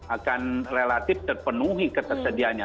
akan relatif terpenuhi ketersediaannya